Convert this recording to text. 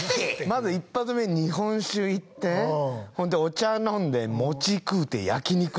まず一発目に日本酒いってお茶飲んで、餅食うて、焼き肉？